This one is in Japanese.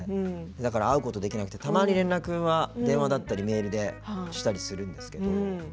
だから、会うことができなくてたまに連絡は電話だったりメールでしたりするんですけど。